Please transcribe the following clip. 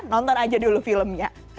nonton aja dulu filmnya